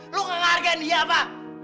lo kehargaan dia apa